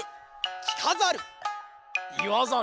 きかざる。